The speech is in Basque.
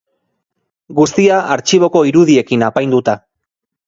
Guztia, artxiboko irudiekin apainduta.